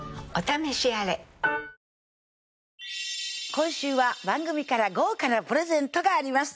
今週は番組から豪華なプレゼントがあります